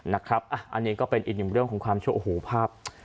นะครับอันนี้ก็เป็นอีกหนึ่งเรื่องของความเชื่อโอ้โหภาพ